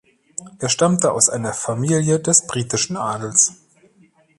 Er stammte aus einer Familie des britischen Adels.